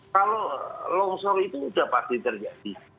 kalau longsor itu sudah pasti terjadi